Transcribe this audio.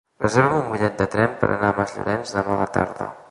Reserva'm un bitllet de tren per anar a Masllorenç demà a la tarda.